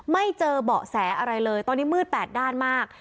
ไม่เจอเบาะแสอะไรเลยตอนนี้มืดแปดด้านมาก